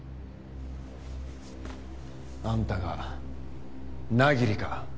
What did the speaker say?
あんたが百鬼か？